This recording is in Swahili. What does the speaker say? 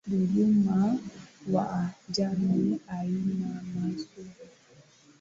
Dhuluma kwa jamii haina mazuri